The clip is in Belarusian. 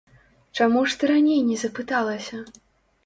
Чаму ж ты раней не запыталася?